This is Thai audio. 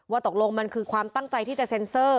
ตกลงมันคือความตั้งใจที่จะเซ็นเซอร์